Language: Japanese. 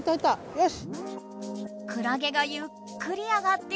よし！